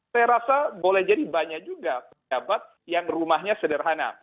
saya rasa boleh jadi banyak juga pejabat yang rumahnya sederhana